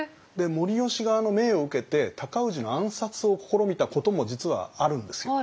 護良側の命を受けて尊氏の暗殺を試みたことも実はあるんですよ。